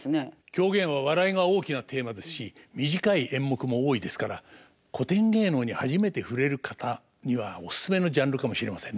狂言は笑いが大きなテーマですし短い演目も多いですから古典芸能に初めて触れる方にはオススメのジャンルかもしれませんね。